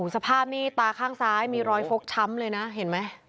สภาพนี่ตาข้างซ้ายมีรอยฟกช้ำเลยนะเห็นไหม